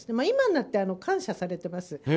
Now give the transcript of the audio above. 今になって感謝されてます。